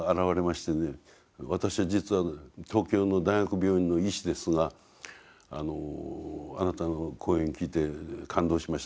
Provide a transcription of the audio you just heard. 「私は実は東京の大学病院の医師ですがあなたの講演聞いて感動しました」と。